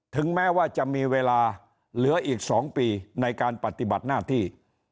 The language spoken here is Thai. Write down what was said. ถึงแม้ว่าจะมีเวลาเหลืออีก๒ปีในการปฏิบัติหน้าที่